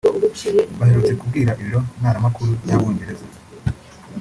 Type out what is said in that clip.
baherutse kubwira Ibiro Ntaramakuru by’Abongereza